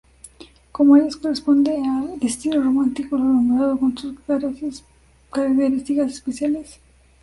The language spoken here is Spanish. Como ellas, corresponde al estilo románico lombardo, con sus características especiales.